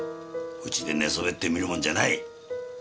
うちで寝そべって観るもんじゃない！